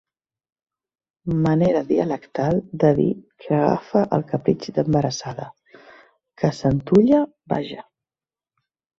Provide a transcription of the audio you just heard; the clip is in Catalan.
Manera dialectal de dir que agafa el capritx d'embarassada, que s'antulla, vaja.